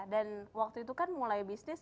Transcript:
dan waktu itu kan mulai bisnis